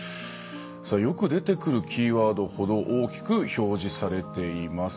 よく出てくるキーワードほど大きく表示されています。